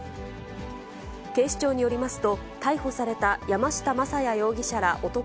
警視庁によりますと、逮捕された山下雅也容疑者ら男